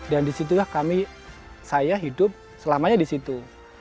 dan disitulah kami saya hidup selamanya disitu